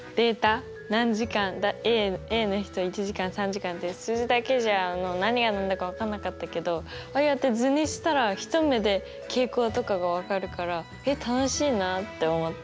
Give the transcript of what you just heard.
何時間ａの人１時間３時間って数字だけじゃ何が何だか分かんなかったけどああやって図にしたら一目で傾向とかが分かるからえっ楽しいなあって思った。